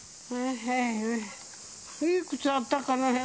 へー、いくつだったかな？